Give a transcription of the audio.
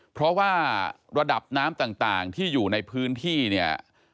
เพราะว่าระดับน้ำต่างที่อยู่ในพื้นที่เนี่ย